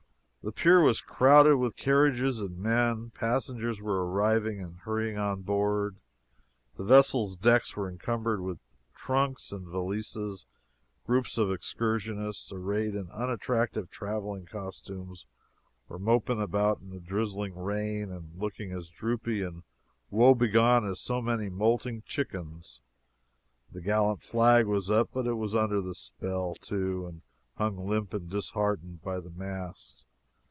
] The pier was crowded with carriages and men; passengers were arriving and hurrying on board; the vessel's decks were encumbered with trunks and valises; groups of excursionists, arrayed in unattractive traveling costumes, were moping about in a drizzling rain and looking as droopy and woebegone as so many molting chickens. The gallant flag was up, but it was under the spell, too, and hung limp and disheartened by the mast.